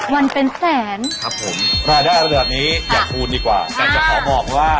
วันเป็นแสนครับผมรายได้ระดับนี้อย่าพูดดีกว่าแต่จะขอบอกว่า